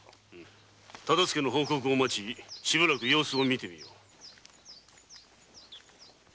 忠相の報告を待ち様子を見てみよう。